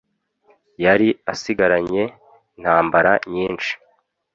Yari asigaranye intambara nyinshi